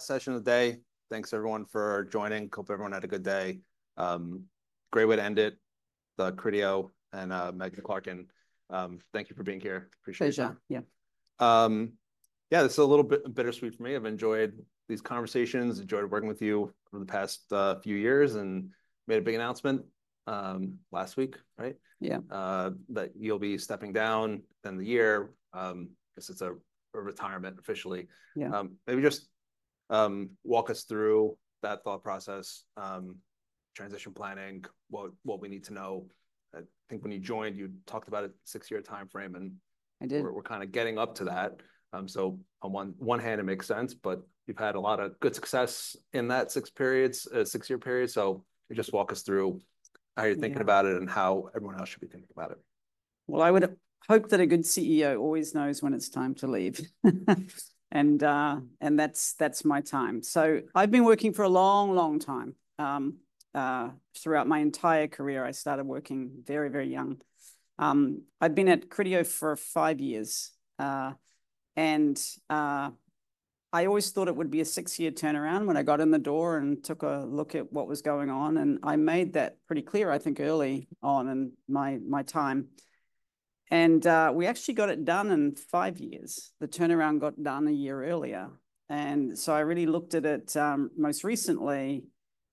Last session of the day. Thanks, everyone, for joining. Hope everyone had a good day. Great way to end it, the Criteo and Megan Clarken. Thank you for being here. Appreciate it. Pleasure, yeah. Yeah, this is a little bit bittersweet for me. I've enjoyed these conversations, enjoyed working with you over the past few years, and made a big announcement last week, right? Yeah. That you'll be stepping down in the year. Guess it's a retirement officially. Yeah. Maybe just walk us through that thought process, transition planning, what we need to know. I think when you joined, you talked about a six-year timeframe, and- I did. We're kind of getting up to that, so on one hand it makes sense, but you've had a lot of good success in that six-year period, so just walk us through how- Yeah. You're thinking about it and how everyone else should be thinking about it. I would hope that a good CEO always knows when it's time to leave. And that's that's my time. I've been working for a long, long time throughout my entire career. I started working very, very young. I've been at Criteo for five years, and I always thought it would be a six-year turnaround when I got in the door and took a look at what was going on, and I made that pretty clear, I think, early on my my time. And we actually got it done in five years. The turnaround got done a year earlier, and so I really looked at it most recently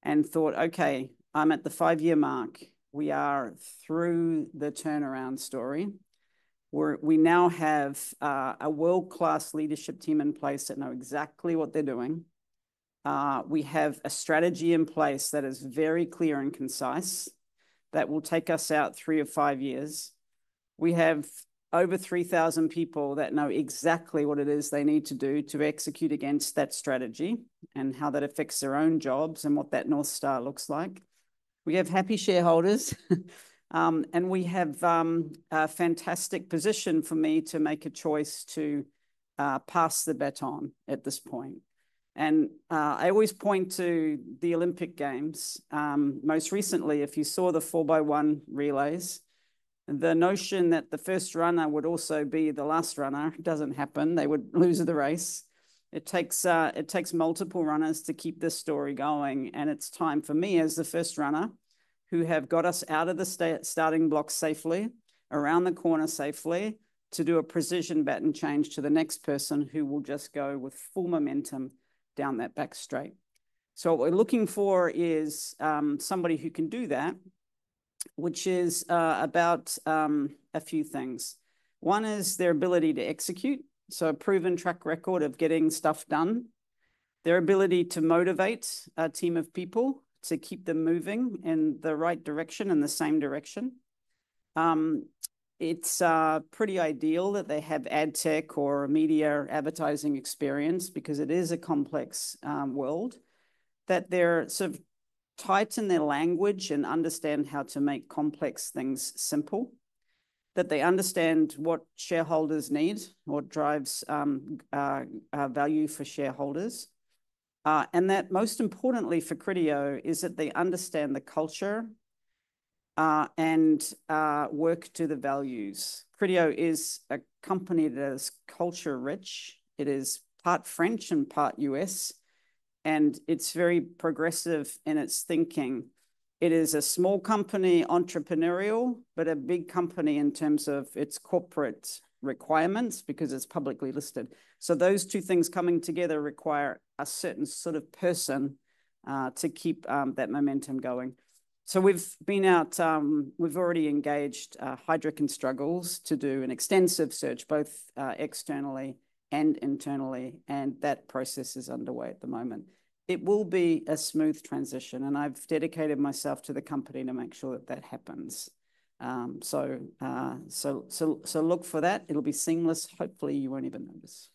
and thought, "Okay, I'm at the five-year mark. We are through the turnaround story." We now have a world-class leadership team in place that know exactly what they're doing. We have a strategy in place that is very clear and concise, that will take us out three to five years. We have over 3,000 people that know exactly what it is they need to do to execute against that strategy, and how that affects their own jobs, and what that North Star looks like. We have happy shareholders, and we have a fantastic position for me to make a choice to pass the baton at this point, and I always point to the Olympic Games. Most recently, if you saw the four-by-one relays, the notion that the first runner would also be the last runner doesn't happen. They would lose the race. It takes multiple runners to keep this story going, and it's time for me, as the first runner, who have got us out of the starting blocks safely, around the corner safely, to do a precision baton change to the next person, who will just go with full momentum down that back straight. So what we're looking for is somebody who can do that, which is about a few things. One is their ability to execute, so a proven track record of getting stuff done. Their ability to motivate a team of people, to keep them moving in the right direction, in the same direction. It's pretty ideal that they have adtech or media advertising experience, because it is a complex world. That they're sort of tight in their language and understand how to make complex things simple. That they understand what shareholders need, what drives value for shareholders. And that most importantly for Criteo is that they understand the culture and work to the values. Criteo is a company that is culture-rich. It is part French and part U.S., and it's very progressive in its thinking. It is a small company, entrepreneurial, but a big company in terms of its corporate requirements, because it's publicly listed. So those two things coming together require a certain sort of person to keep that momentum going. So we've been out. We've already engaged Heidrick & Struggles to do an extensive search, both externally and internally, and that process is underway at the moment. It will be a smooth transition, and I've dedicated myself to the company to make sure that that happens. So so so, look for that. It'll be seamless. Hopefully, you won't even notice.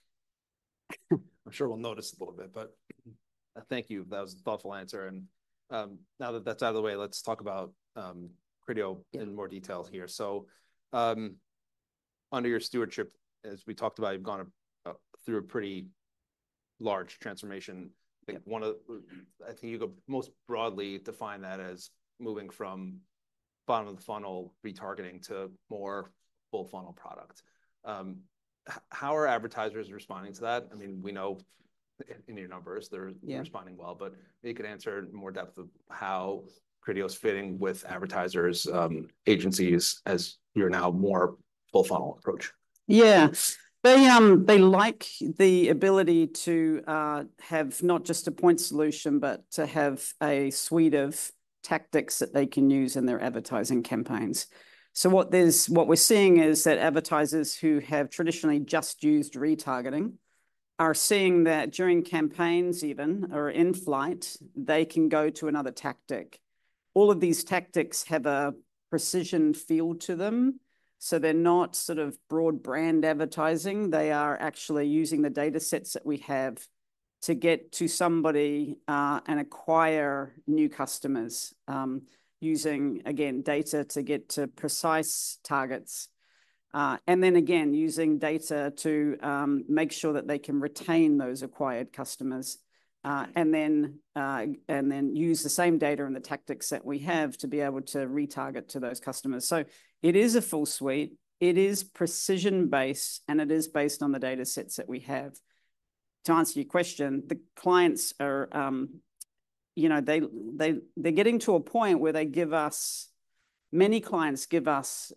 I'm sure we'll notice a little bit, but thank you. That was a thoughtful answer, and now that that's out of the way, let's talk about Criteo in more detail here. So, under your stewardship, as we talked about, you've gone through a pretty large transformation. Yeah. I think you could most broadly define that as moving from bottom-of-the-funnel retargeting to more full-funnel product. How are advertisers responding to that? I mean, we know in your numbers, they're- Yeah... responding well, but if you could answer in more depth of how Criteo's fitting with advertisers, agencies, as you're now a more full-funnel approach. Yeah. They, they like the ability to have not just a point solution, but to have a suite of tactics that they can use in their advertising campaigns. So what is, what we're seeing is that advertisers who have traditionally just used retargeting are seeing that during campaigns even, or in flight, they can go to another tactic. All of these tactics have a precision feel to them, so they're not sort of broad brand advertising. They are actually using the data sets that we have to get to somebody and acquire new customers, using, again, data to get to precise targets. And then again, using data to make sure that they can retain those acquired customers, and then, and then use the same data and the tactics that we have to be able to retarget to those customers. So it is a full suite, it is precision-based, and it is based on the data sets that we have. To answer your question, the clients are, you know, they're they're getting to a point where they give us, many clients give us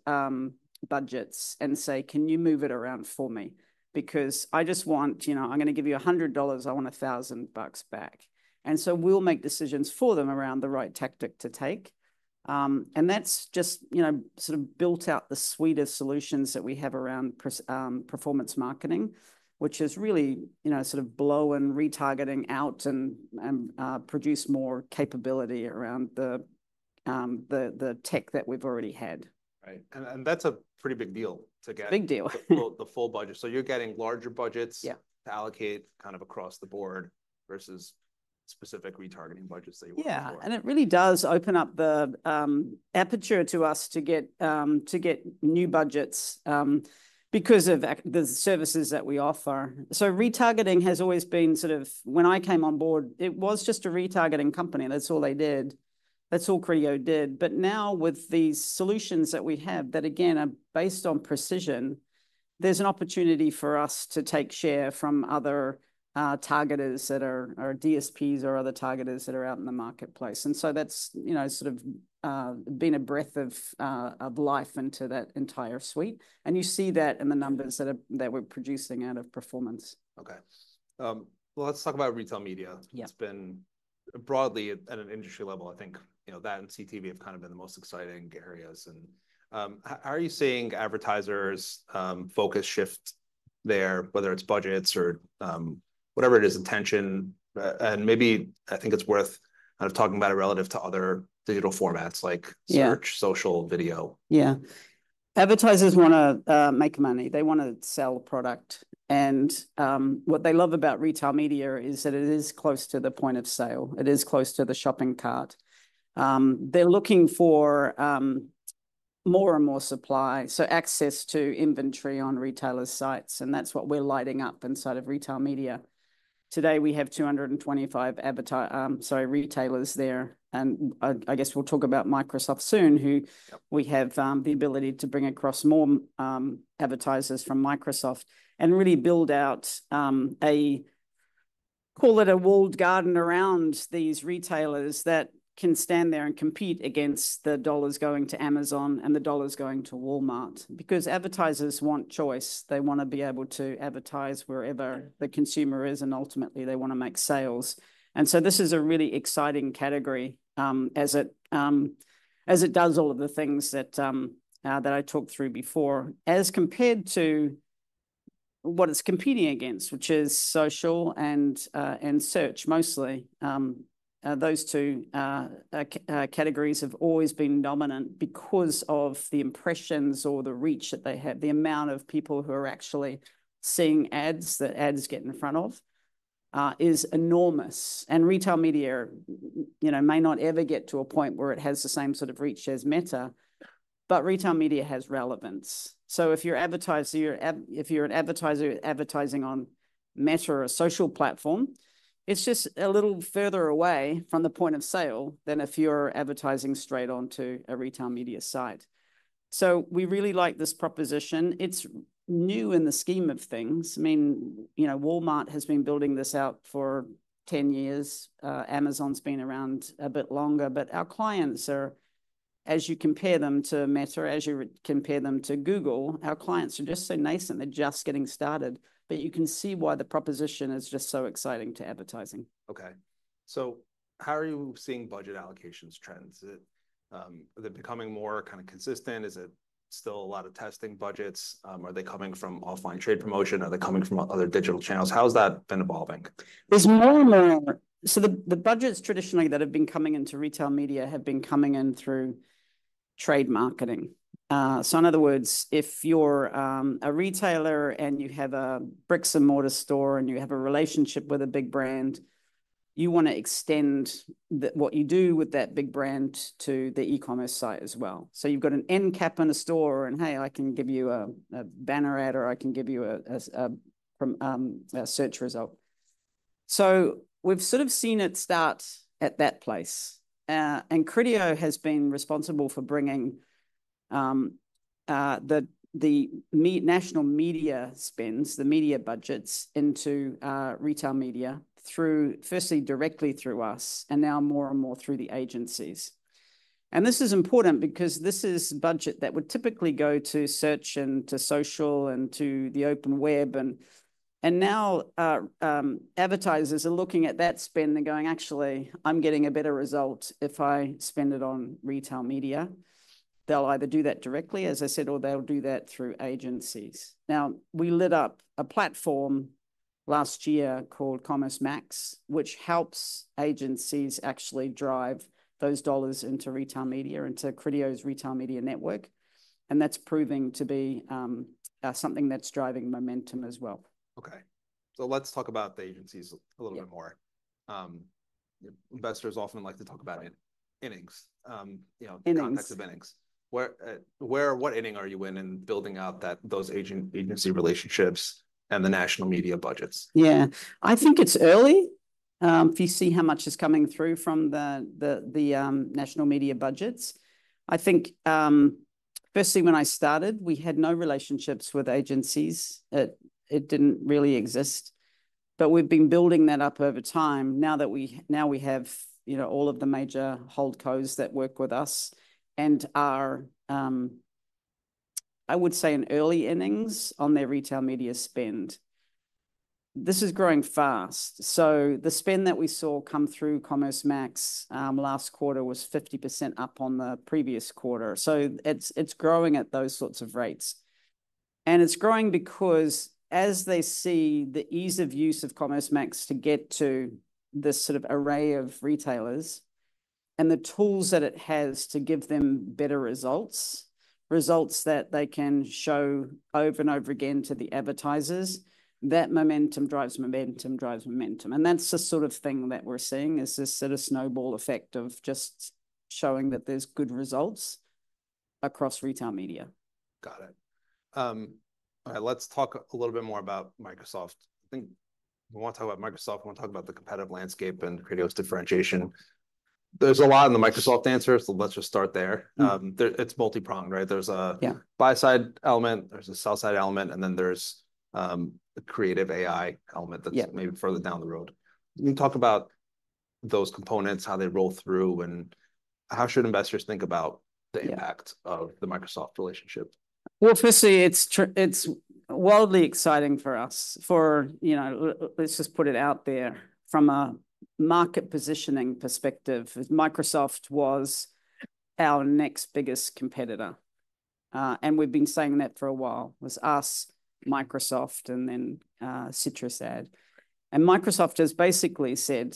budgets and say, "Can you move it around for me? Because I just want, you know, I'm gonna give you $100, I want $1,000 back." And so we'll make decisions for them around the right tactic to take. And that's just, you know, sort of built out the suite of solutions that we have around performance marketing, which is really, you know, sort of prospect and retargeting out and produce more capability around the the tech that we've already had. Right, and that's a pretty big deal to get- Big deal... the full, the full budget. So you're getting larger budgets- Yeah... to allocate kind of across the board, versus specific retargeting budgets that you would before. Yeah, and it really does open up the aperture to us to get, to get new budgets because of the services that we offer. So retargeting has always been sort of. When I came on board, it was just a retargeting company. That's all they did. That's all Criteo did. But now, with the solutions that we have, that again, are based on precision, there's an opportunity for us to take share from other targeters that are DSPs or other targeters that are out in the marketplace. And so that's, you know, sort of been a breath of life into that entire suite, and you see that in the numbers that we're producing out of performance. Okay. Well, let's talk about retail media. Yeah. It's been, broadly, at an industry level, I think, you know, that and CTV have kind of been the most exciting areas. And how are you seeing advertisers' focus shift there, whether it's budgets or whatever it is, intention? And maybe I think it's worth kind of talking about it relative to other digital formats, like- Yeah... search, social, video. Yeah. Advertisers wanna make money. They wanna sell product, and what they love about retail media is that it is close to the point of sale. It is close to the shopping cart. They're looking for more and more supply, so access to inventory on retailers' sites, and that's what we're lighting up inside of retail media. Today we have 225 retailers there, and I guess we'll talk about Microsoft soon, who we have the ability to bring across more advertisers from Microsoft, and really build out call it a walled garden around these retailers that can stand there and compete against the dollars going to Amazon and the dollars going to Walmart. Because advertisers want choice. They wanna be able to advertise wherever the consumer is, and ultimately, they wanna make sales. And so this is a really exciting category, as it does all of the things that I talked through before. As compared to what it's competing against, which is social and search, mostly. Those two categories have always been dominant because of the impressions or the reach that they have. The amount of people who are actually seeing ads, that ads get in front of, is enormous. And retail media, you know, may not ever get to a point where it has the same sort of reach as Meta, but retail media has relevance. So if you're advertising, if you're an advertiser advertising on Meta or a social platform, it's just a little further away from the point of sale than if you're advertising straight onto a retail media site. So we really like this proposition. It's new in the scheme of things. I mean, you know, Walmart has been building this out for 10 years. Amazon's been around a bit longer. But our clients are, as you compare them to Meta, or as you compare them to Google, our clients are just so nascent. They're just getting started. But you can see why the proposition is just so exciting to advertising. Okay. So how are you seeing budget allocations trends? Is it? Are they becoming more kind of consistent? Is it still a lot of testing budgets? Are they coming from offline trade promotion? Are they coming from other digital channels? How has that been evolving? There's more and more. So the budgets traditionally that have been coming into retail media have been coming in through trade marketing. So in other words, if you're a retailer and you have a brick-and-mortar store, and you have a relationship with a big brand, you wanna extend what you do with that big brand to the e-commerce site as well. So you've got an endcap in a store, and, "Hey, I can give you a banner ad, or I can give you a from a search result." So we've sort of seen it start at that place. And Criteo has been responsible for bringing the national media spends, the media budgets, into retail media through firstly directly through us, and now more and more through the agencies. And this is important, because this is budget that would typically go to search and to social and to the open web, and now, advertisers are looking at that spend and going, "Actually, I'm getting a better result if I spend it on retail media." They'll either do that directly, as I said, or they'll do that through agencies. Now, we lit up a platform last year called Commerce Max, which helps agencies actually drive those dollars into retail media, into Criteo's retail media network, and that's proving to be something that's driving momentum as well. Okay, so let's talk about the agencies a little bit more. Yeah. Investors often like to talk about innings, you know- Innings... the concept of innings. Where, what inning are you in building out that, those agent, agency relationships and the national media budgets? Yeah. I think it's early, if you see how much is coming through from the the national media budgets. I think, firstly, when I started, we had no relationships with agencies. It didn't really exist, but we've been building that up over time now that, now we have, you know, all of the major holdcos that work with us, and are, I would say, in early innings on their retail media spend. This is growing fast, so the spend that we saw come through Commerce Max last quarter was 50% up on the previous quarter. So it's it's growing at those sorts of rates. And it's growing because as they see the ease of use of Commerce Max to get to this sort of array of retailers, and the tools that it has to give them better results, results that they can show over and over again to the advertisers, that momentum drives momentum, drives momentum. And that's the sort of thing that we're seeing, is this sort of snowball effect of just showing that there's good results across retail media. Got it. All right, let's talk a little bit more about Microsoft. I think we want to talk about Microsoft, we want to talk about the competitive landscape and Criteo's differentiation. There's a lot in the Microsoft answer, so let's just start there. Mm. There, it's multi-pronged, right? There's a- Yeah... buy-side element, there's a sell-side element, and then there's the creative AI element- Yeah... that's maybe further down the road. Can you talk about those components, how they roll through, and how should investors think about the impact- Yeah... of the Microsoft relationship? Firstly, it's it's wildly exciting for us, you know, let's just put it out there, from a market positioning perspective, Microsoft was our next biggest competitor. And we've been saying that for a while. It was us, Microsoft, and then, CitrusAd. And Microsoft has basically said,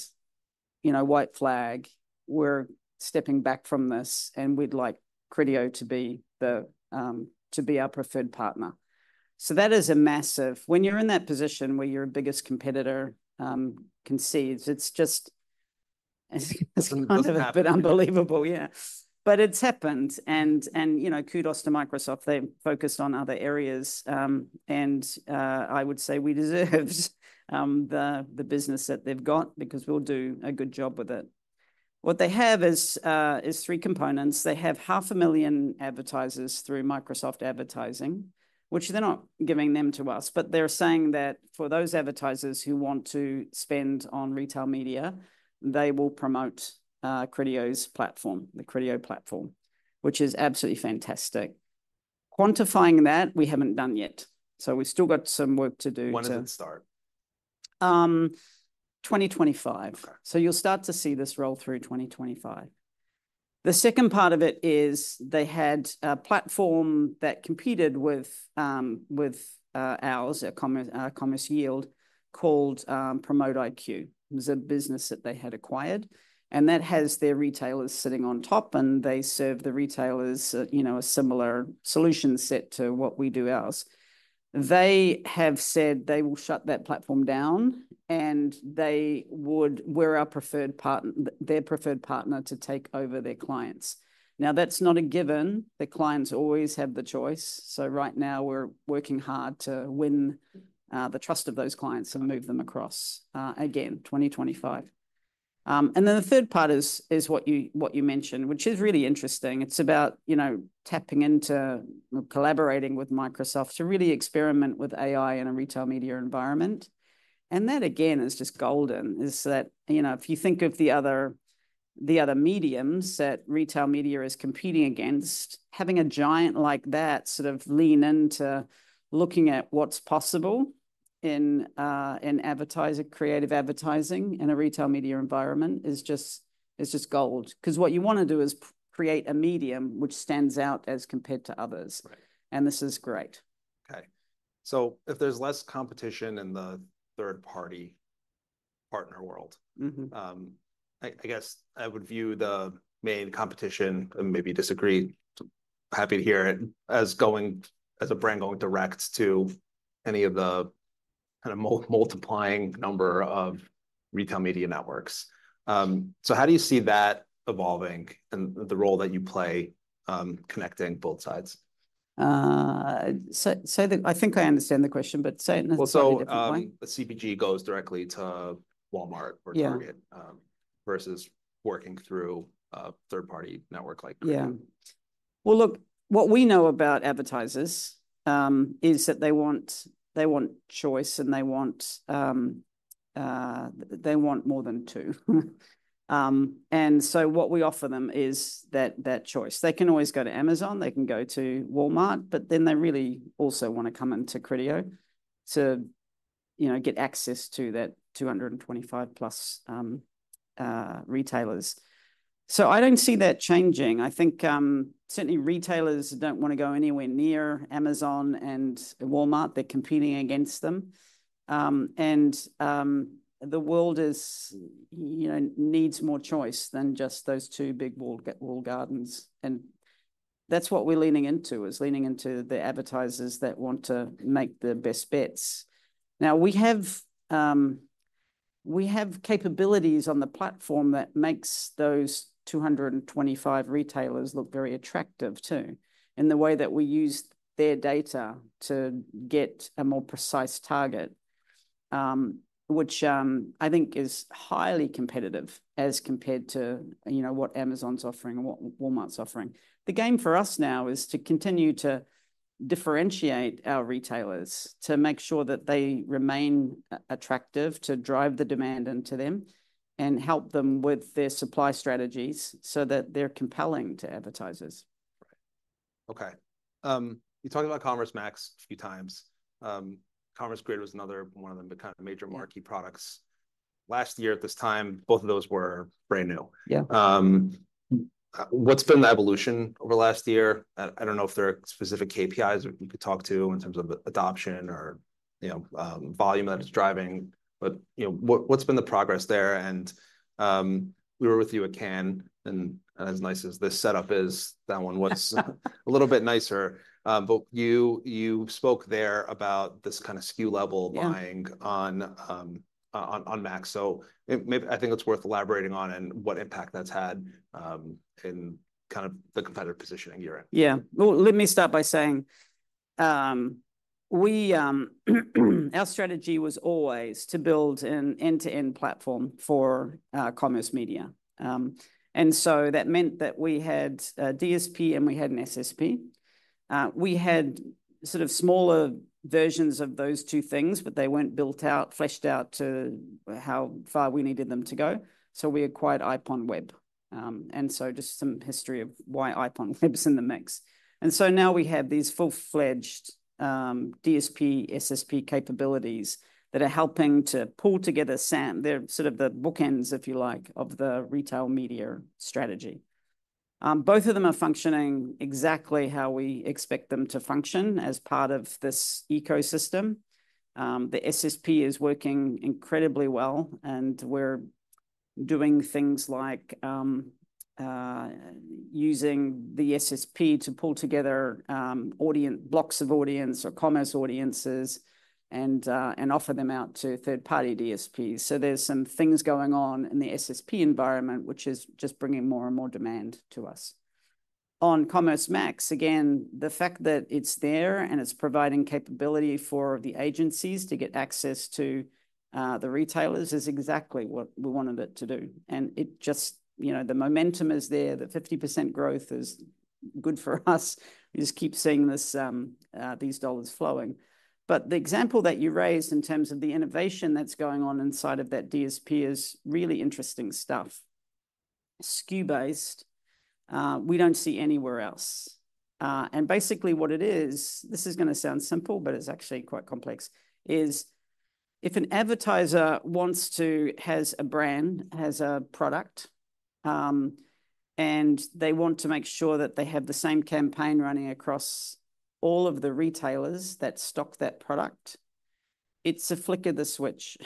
you know, "White flag, we're stepping back from this, and we'd like Criteo to be the, to be our preferred partner." So that is a massive... When you're in that position where your biggest competitor concedes, it's just, it's kind of- Doesn't happen... a bit unbelievable, yeah. But it's happened, and and you know, kudos to Microsoft. They're focused on other areas, and I would say we deserved the business that they've got, because we'll do a good job with it. What they have is three components. They have 500,000 advertisers through Microsoft Advertising, which they're not giving them to us, but they're saying that for those advertisers who want to spend on retail media, they will promote Criteo's platform, the Criteo platform, which is absolutely fantastic. Quantifying that, we haven't done yet, so we've still got some work to do to- When does it start? Um, 2025. Okay. You'll start to see this roll through 2025. The second part of it is, they had a platform that competed with with ours, our Commerce Yield, called PromoteIQ. It was a business that they had acquired, and that has their retailers sitting on top, and they serve the retailers, you know, a similar solution set to what we do ours. They have said they will shut that platform down, and they would, we're their preferred partner to take over their clients. Now, that's not a given. The clients always have the choice, so right now we're working hard to win the trust of those clients and move them across. Again, 2025. And then the third part is what you mentioned, which is really interesting. It's about, you know, tapping into, collaborating with Microsoft to really experiment with AI in a retail media environment. And that, again, is just golden. Is that, you know, if you think of the other, the other mediums that retail media is competing against, having a giant like that sort of lean into looking at what's possible in, in advertising, creative advertising, in a retail media environment, is just... it's just gold. 'Cause what you wanna do is create a medium which stands out as compared to others. Right. And this is great. Okay, so if there's less competition in the third-party partner world- Mm-hmm I guess I would view the main competition, and maybe disagree, happy to hear it, as a brand going direct to any of the kind of multiplying number of retail media networks. So how do you see that evolving, and the role that you play, connecting both sides? So that I think I understand the question, but say it in a slightly different way. CPG goes directly to Walmart or Target- Yeah... versus working through a third-party network like Criteo. Yeah. Well, look, what we know about advertisers is that they want, they want choice, and they want they more than two. And so what we offer them is that choice. They can always go to Amazon, they can go to Walmart, but then they really also want to come into Criteo to, you know, get access to that 225 plus retailers. So I don't see that changing. I think certainly retailers don't want to go anywhere near Amazon and Walmart. They're competing against them. And the world is, you know, needs more choice than just those two big walled gardens, and that's what we're leaning into, is leaning into the advertisers that want to make the best bets. Now, we have, we have capabilities on the platform that makes those 225 retailers look very attractive, too, in the way that we use their data to get a more precise target, which I think is highly competitive as compared to, you know, what Amazon's offering and what Walmart's offering. The game for us now is to continue to differentiate our retailers, to make sure that they remain attractive, to drive the demand into them, and help them with their supply strategies so that they're compelling to advertisers. Right. Okay, you talked about Commerce Max a few times. Commerce Grid was another one of the kind of major- Yeah... marquee products. Last year at this time, both of those were brand new. Yeah. What's been the evolution over the last year? I don't know if there are specific KPIs that you could talk to in terms of adoption or, you know, volume that it's driving, but, you know, what's been the progress there? And we were with you at Cannes, and as nice as this setup is, that one was a little bit nicer. But you spoke there about this kind of SKU level- Yeah... buying on Max. So it, I think it's worth elaborating on and what impact that's had in kind of the competitive positioning you're in. Yeah. Well, let me start by saying we, our strategy was always to build an end-to-end platform for commerce media, and so that meant that we had a DSP and we had an SSP. We had sort of smaller versions of those two things, but they weren't built out, fleshed out to how far we needed them to go, so we acquired IPONWEB. And so just some history of why IPONWEB is in the mix, and so now we have these full-fledged DSP, SSP capabilities that are helping to pull together some... They're sort of the bookends, if you like, of the retail media strategy. Both of them are functioning exactly how we expect them to function as part of this ecosystem. The SSP is working incredibly well, and we're doing things like using the SSP to pull together audience blocks of audience or commerce audiences, and, and offer them out to third-party DSPs. So there's some things going on in the SSP environment, which is just bringing more and more demand to us. On Commerce Max, again, the fact that it's there and it's providing capability for the agencies to get access to the retailers is exactly what we wanted it to do, and it just... You know, the momentum is there. The 50% growth is good for us. We just keep seeing these dollars flowing. But the example that you raised in terms of the innovation that's going on inside of that DSP is really interesting stuff. SKU-based, we don't see anywhere else. And basically what it is, this is gonna sound simple, but it's actually quite complex: if an advertiser has a brand, has a product, and they want to make sure that they have the same campaign running across all of the retailers that stock that product, it's a flick of the switch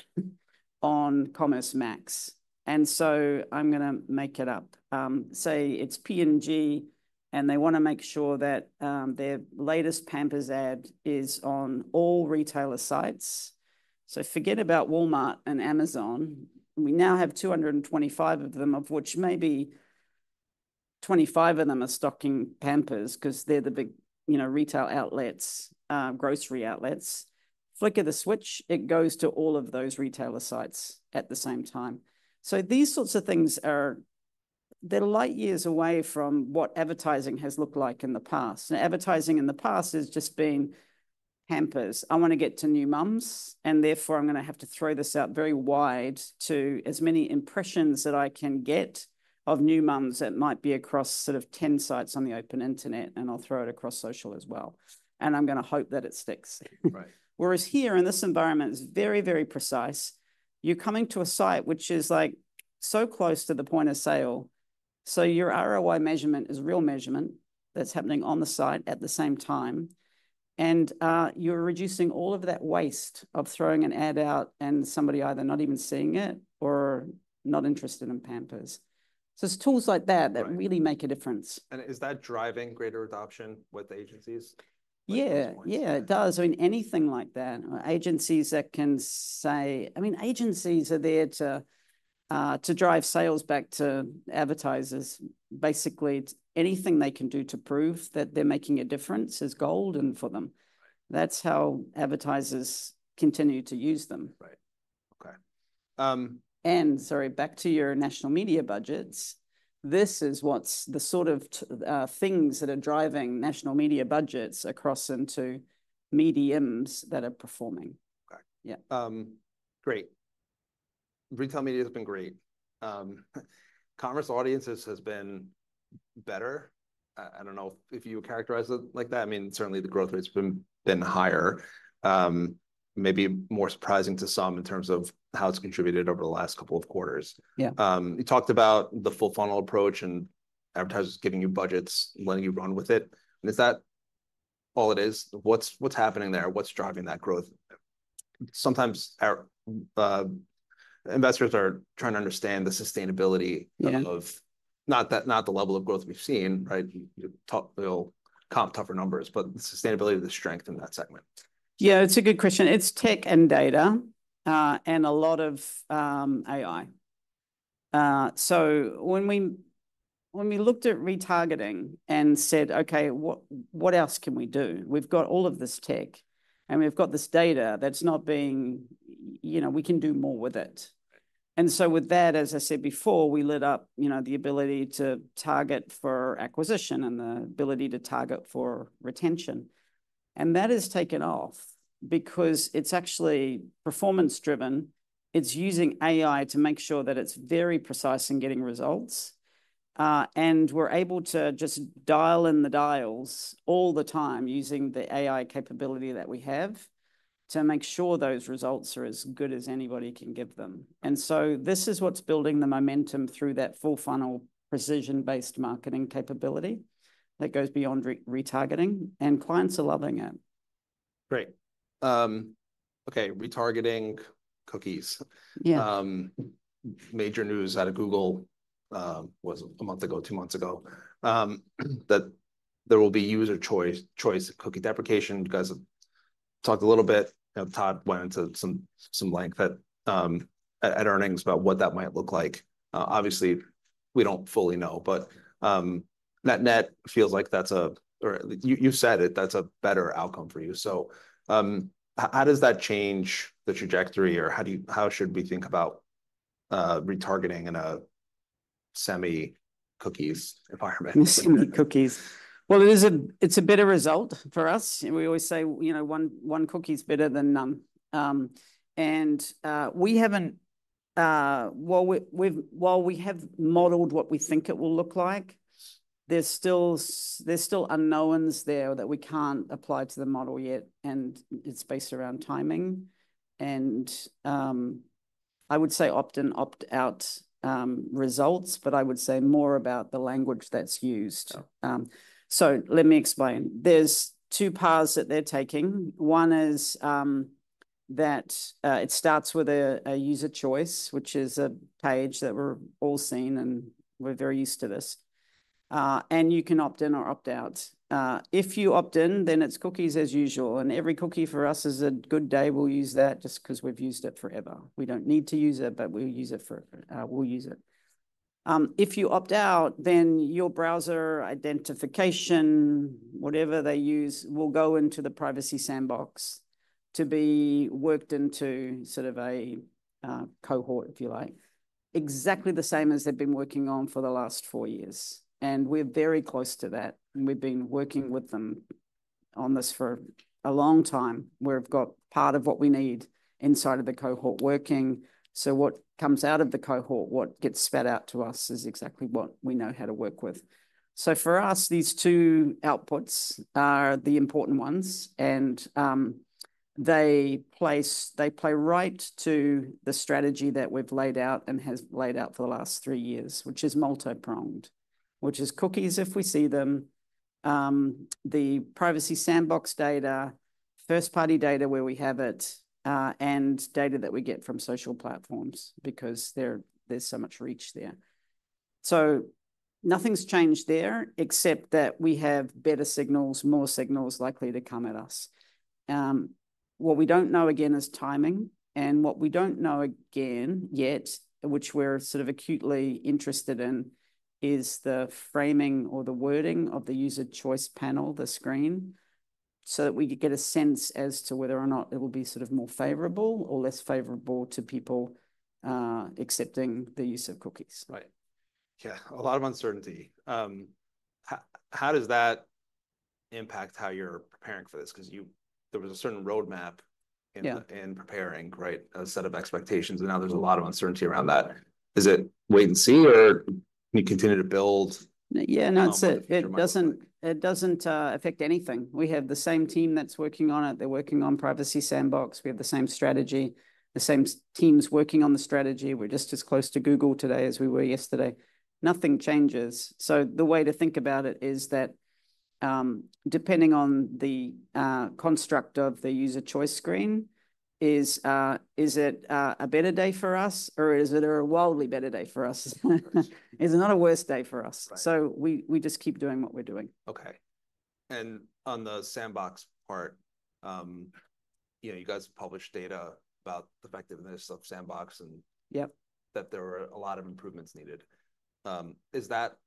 on Commerce Max, and so I'm gonna make it up. Say it's P&G, and they wanna make sure that their latest Pampers ad is on all retailer sites. So forget about Walmart and Amazon. We now have 225 of them, of which maybe 25 of them are stocking Pampers, 'cause they're the big, you know, retail outlets, grocery outlets. Flick of the switch, it goes to all of those retailer sites at the same time. So these sorts of things are, they're light years away from what advertising has looked like in the past, and advertising in the past has just been Pampers. I wanna get to new moms, and therefore, I'm gonna have to throw this out very wide to as many impressions that I can get of new moms that might be across sort of 10 sites on the open internet, and I'll throw it across social as well, and I'm gonna hope that it sticks. Right. Whereas here in this environment, it's very, very precise. You're coming to a site which is, like, so close to the point of sale, so your ROI measurement is real measurement that's happening on the site at the same time, and, you're reducing all of that waste of throwing an ad out and somebody either not even seeing it or not interested in Pampers. So it's tools like that- Right... that really make a difference. Is that driving greater adoption with agencies? Yeah. Like, for instance- Yeah, it does, I mean, anything like that. Agencies that can say... I mean, agencies are there to drive sales back to advertisers. Basically, anything they can do to prove that they're making a difference is golden for them. Right. That's how advertisers continue to use them. Right. Okay, And sorry, back to your national media budgets, this is what's the sort of things that are driving national media budgets across into media that are performing. Okay. Yeah. Great. Retail media has been great. Commerce audiences has been better. I don't know if you would characterize it like that. I mean, certainly, the growth rate's been higher, maybe more surprising to some in terms of how it's contributed over the last couple of quarters. Yeah. You talked about the full-funnel approach and advertisers giving you budgets and letting you run with it, and is that all it is? What's happening there? What's driving that growth? Sometimes our investors are trying to understand the sustainability- Yeah... of not that, not the level of growth we've seen, right? You, well, comp tougher numbers, but the sustainability of the strength in that segment. Yeah, it's a good question. It's tech and data, and a lot of AI. So when we looked at retargeting and said, "Okay, what else can we do? We've got all of this tech, and we've got this data that's not being. You know, we can do more with it." And so with that, as I said before, we lit up, you know, the ability to target for acquisition and the ability to target for retention. And that has taken off because it's actually performance-driven. It's using AI to make sure that it's very precise in getting results. And we're able to just dial in the dials all the time using the AI capability that we have, to make sure those results are as good as anybody can give them. And so this is what's building the momentum through that full-funnel, precision-based marketing capability that goes beyond retargeting, and clients are loving it. Great. Okay, retargeting cookies. Yeah. Major news out of Google, was it a month ago, two months ago? That there will be user choice cookie deprecation. You guys have talked a little bit, and Todd went into some length at earnings about what that might look like. Obviously, we don't fully know, but net-net feels like that's or you've said it, that's a better outcome for you. So, how does that change the trajectory or how do we... how should we think about retargeting in a semi-cookies environment? Semi-cookies. It is a better result for us, and we always say, you know, one cookie's better than none. And while we have modeled what we think it will look like, there's still unknowns there that we can't apply to the model yet, and it's based around timing, and I would say opt-in, opt-out results, but I would say more about the language that's used. Oh. So let me explain. There's two paths that they're taking. One is that it starts with a user choice, which is a page that we've all seen, and we're very used to this. And you can opt in or opt out. If you opt in, then it's cookies as usual, and every cookie for us is a good day. We'll use that just 'cause we've used it forever. We don't need to use it, but we'll use it. If you opt out, then your browser identification, whatever they use, will go into the Privacy Sandbox to be worked into sort of a cohort, if you like. Exactly the same as they've been working on for the last four years, and we're very close to that, and we've been working with them on this for a long time. We've got part of what we need inside of the cohort working. So what comes out of the cohort, what gets spat out to us, is exactly what we know how to work with. So for us, these two outputs are the important ones, and they play right to the strategy that we've laid out and has laid out for the last three years, which is multi-pronged, which is cookies if we see them, the Privacy Sandbox data, first-party data where we have it, and data that we get from social platforms because there, there's so much reach there. So nothing's changed there except that we have better signals, more signals likely to come at us. What we don't know again is timing, and what we don't know again, yet, which we're sort of acutely interested in, is the framing or the wording of the user choice panel, the screen, so that we can get a sense as to whether or not it will be sort of more favorable or less favorable to people accepting the use of cookies. Right. Yeah, a lot of uncertainty. How does that impact how you're preparing for this? 'Cause you... there was a certain roadmap- Yeah... in preparing, right? A set of expectations, and now there's a lot of uncertainty around that. Is it wait and see, or do you continue to build? Yeah, no, it's a- Do you mind-... it doesn't affect anything. We have the same team that's working on it. They're working on Privacy Sandbox. We have the same strategy, the same teams working on the strategy. We're just as close to Google today as we were yesterday. Nothing changes. So the way to think about it is that, depending on the construct of the user choice screen, is a, is it a better day for us or is it a wildly better day for us? Right. It's not a worse day for us. Right. So we just keep doing what we're doing. Okay. And on the sandbox part, you know, you guys published data about the effectiveness of sandbox and- Yep... that there were a lot of improvements needed. Is that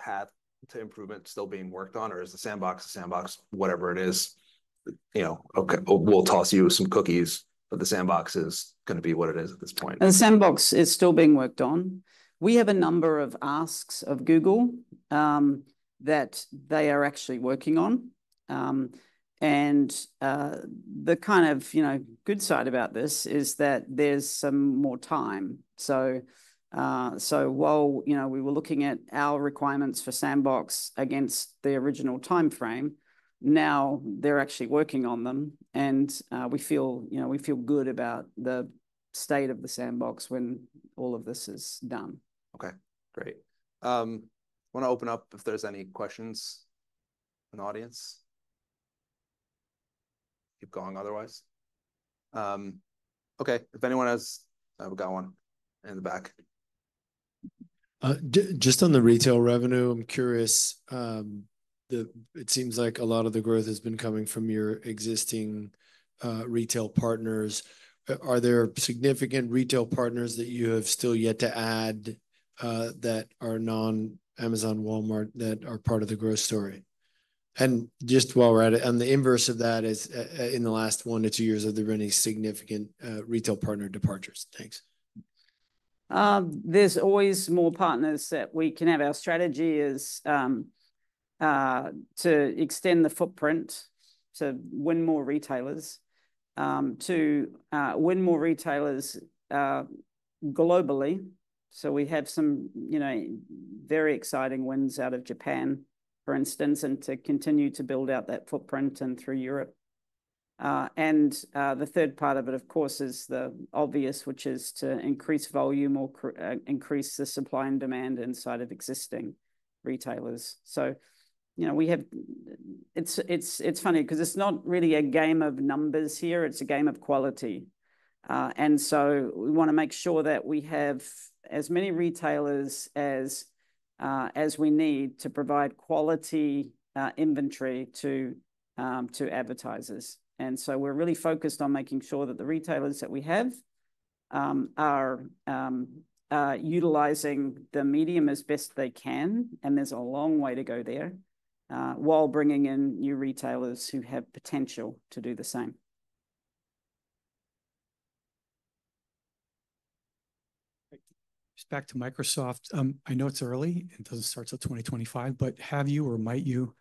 path to improvement still being worked on, or is the sandbox, whatever it is, you know, "Okay, we'll toss you some cookies, but the sandbox is gonna be what it is at this point? The sandbox is still being worked on. We have a number of asks of Google that they are actually working on, and the kind of, you know, good side about this is that there's some more time. So so while, you know, we were looking at our requirements for sandbox against the original timeframe, now they're actually working on them, and we feel, you know, we feel good about the state of the sandbox when all of this is done. Okay, great. I wanna open up if there's any questions in the audience. Keep going otherwise. Okay, if anyone has... We've got one in the back. Just on the retail revenue, I'm curious. It seems like a lot of the growth has been coming from your existing retail partners. Are there significant retail partners that you have still yet to add, that are non-Amazon, Walmart, that are part of the growth story? And just while we're at it, and the inverse of that is, in the last one to two years, have there been any significant retail partner departures? Thanks. There's always more partners that we can have. Our strategy is to extend the footprint, to win more retailers, to win more retailers globally. So we have some, you know, very exciting wins out of Japan, for instance, and to continue to build out that footprint and through Europe. And the third part of it, of course, is the obvious, which is to increase volume or increase the supply and demand inside of existing retailers. So, you know, we have. It's it's funny, 'cause it's not really a game of numbers here, it's a game of quality. And so we want to make sure that we have as many retailers as as we need to provide quality inventory to to advertisers. And so we're really focused on making sure that the retailers that we have are utilizing the medium as best they can, and there's a long way to go there while bringing in new retailers who have potential to do the same. Back to Microsoft. I know it's early, it doesn't start till 2025, but have you or might you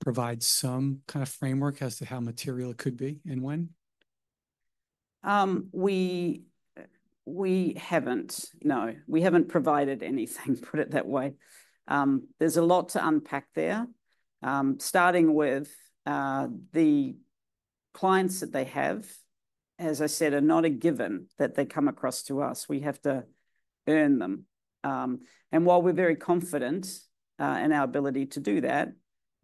provide some kind of framework as to how material it could be, and when? We we haven't provided anything, put it that way. There's a lot to unpack there, starting with the clients that they have, as I said, are not a given that they come across to us. We have to earn them. And while we're very confident in our ability to do that,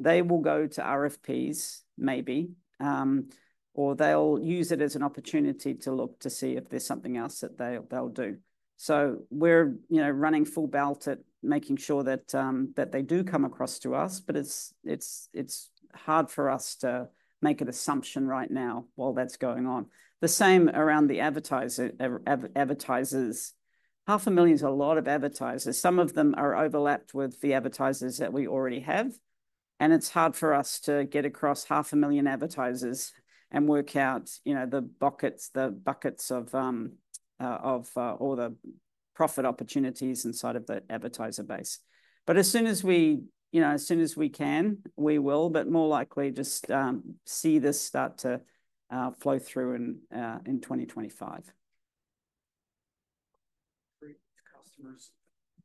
they will go to RFPs maybe, or they'll use it as an opportunity to look to see if there's something else that they'll do. So we're, you know, running full tilt at making sure that they do come across to us, but it's it's it's hard for us to make an assumption right now while that's going on. The same around the advertisers. 500,000 is a lot of advertisers. Some of them are overlapped with the advertisers that we already have, and it's hard for us to get across 500,000 advertisers and work out, you know, the buckets, the buckets of of all the profit opportunities inside of the advertiser base. But as soon as we, you know, as soon as we can, we will, but more likely just see this start to flow through in 2025. Great. Customers,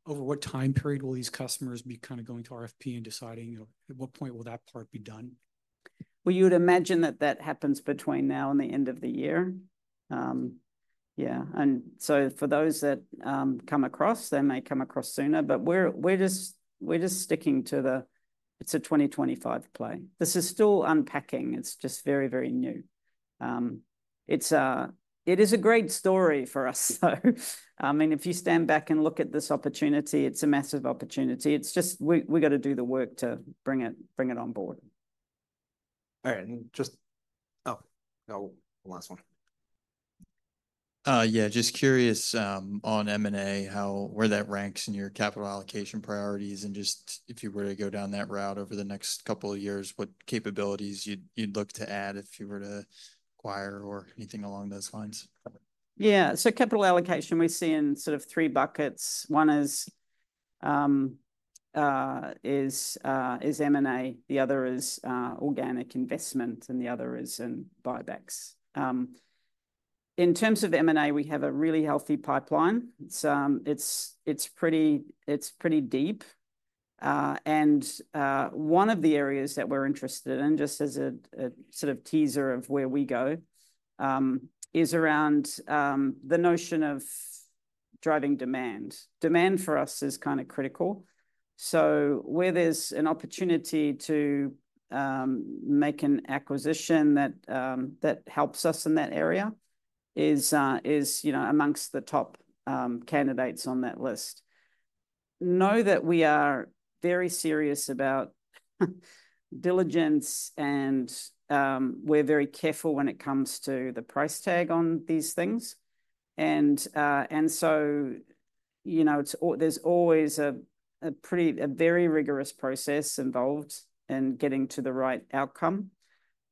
over what time period will these customers be kind of going to RFP and deciding, you know, at what point will that part be done? You would imagine that that happens between now and the end of the year. Yeah, and so for those that come across, they may come across sooner, but we're just, we're just sticking to the... It's a 2025 play. This is still unpacking. It's just very, very new. It is a great story for us, so I mean, if you stand back and look at this opportunity, it's a massive opportunity. It's just we gotta do the work to bring it, bring it on board. All right, and just... Oh, no, last one. Yeah, just curious, on M&A, how, where that ranks in your capital allocation priorities, and just if you were to go down that route over the next couple of years, what capabilities you'd look to add if you were to acquire or anything along those lines? Yeah. Capital allocation, we see in sort of three buckets. One is is M&A, the other is organic investment, and the other is in buybacks. In terms of M&A, we have a really healthy pipeline. It's it's it's pretty deep. And one of the areas that we're interested in, just as a sort of teaser of where we go, is around the notion of driving demand. Demand for us is kind of critical, so where there's an opportunity to make an acquisition that that helps us in that area, is is, you know, amongst the top candidates on that list. You know that we are very serious about diligence and we're very careful when it comes to the price tag on these things. And and so, you know, there's always a very rigorous process involved in getting to the right outcome.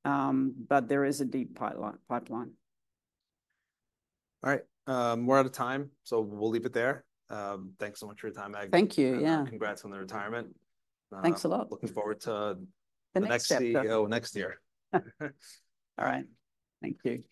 But there is a deep pipeline. All right, we're out of time, so we'll leave it there. Thanks so much for your time, Megan. Thank you, yeah. Congrats on the retirement. Thanks a lot.... looking forward to- The next chapter... the next CEO next year. All right. Thank you.